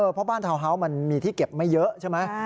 เพราะบ้านทาวน์เฮาส์มันมีที่เก็บไม่เยอะใช่ไหม